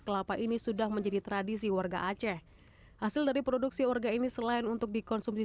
kelapa ini sudah menjadi tradisi warga aceh hasil dari produksi orga ini selain untuk dikonsumsi